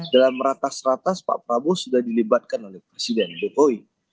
dalam ratas ratas pak prabowo sudah dilibatkan oleh presiden jokowi